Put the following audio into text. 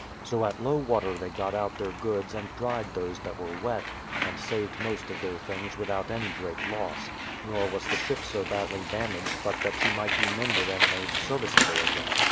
So at low water they got out their goods and dried those that were wet, and saved most of their things without any great loss ; nor was the ship so badly damaged but that she might be mended and made serviceable again.